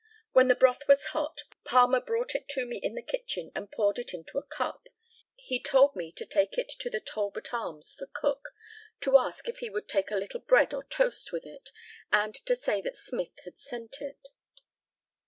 When the broth was hot, Palmer brought it to me in the kitchen, and poured it into a cup. He told me to take it to the Talbot arms for Cook, to ask if he would take a little bread or toast with it, and to say that Smith had sent it.